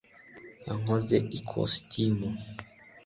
yankoze ikositimu